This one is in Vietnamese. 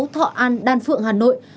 thọ an đan phượng hà nội